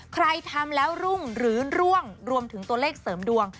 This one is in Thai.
ใครทำแล้วรุ่งหรือร่วงรวมถึงตัวเลขเสริมดวง